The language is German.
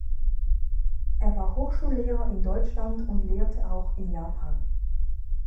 Er war Hochschullehrer in Deutschland und lehrte auch in Japan.